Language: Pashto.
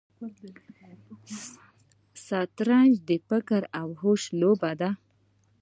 شطرنج د فکر او هوش لوبه ده.